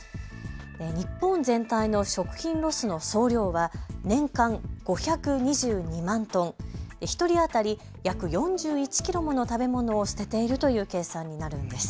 日本全体の食品ロスの総量は年間５２２万トン、１人当たり約４１キロもの食べ物を捨てているという計算になるんです。